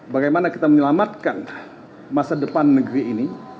bagaimana kita menyelamatkan masa depan negeri ini